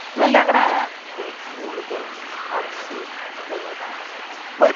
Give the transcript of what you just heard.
No le agrada que Murdoc abuse de los demás.